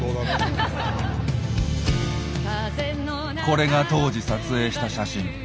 これが当時撮影した写真。